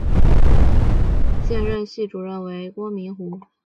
现任系主任为郭明湖。